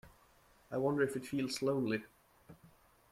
I wonder if it feels lonely.